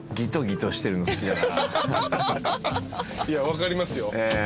いや分かりますよ